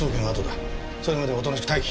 それまでおとなしく待機。